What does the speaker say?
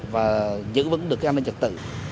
và giữ vững được an ninh trật tự